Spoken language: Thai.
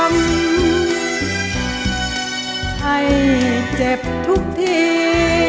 ให้เจ็บทุกที